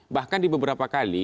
bahkan di beberapa kali